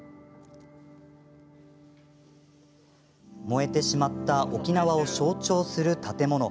燃えてしまった沖縄を象徴する建物。